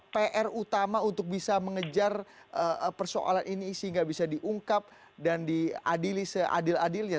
pr utama untuk bisa mengejar persoalan ini sehingga bisa diungkap dan diadili seadil adilnya